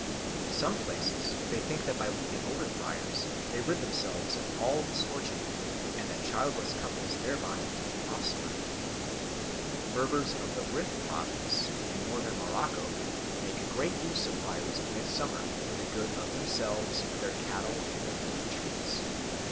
In some places they think that by leaping over the fires they rid themselves of all misfortune, and that childless couples thereby obtain offspring. Berbers of the Rif province, in Northern Morocco, make great use of fires at midsummer for the good of themselves, their cattle, and their fruit trees.